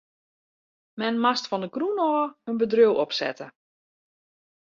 Men moast fan de grûn ôf in bedriuw opsette.